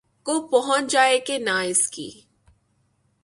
کو پہنچ جائے کہ نہ اس کی